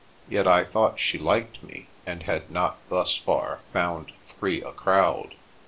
(Yet I thought she liked me, and had not, thus far, found "three a crowd.")